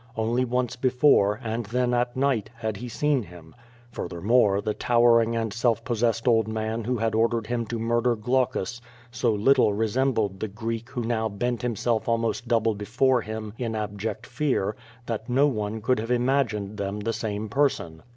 Only once before, and then at night, had he seen him. Fur thermore, the towering and self possessed old man who had ordered him to murder Glaucus so little resembled the Greek who now bent himself almost double before him in abject fear, that no one could have imagined them the same person.